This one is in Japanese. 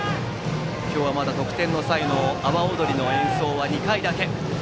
今日はまだ得点の際の阿波おどりの演奏は２回だけ。